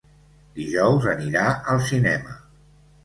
Dijous anirà al cinema.